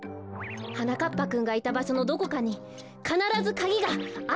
はなかっぱくんがいたばしょのどこかにかならずカギがあるはずですから！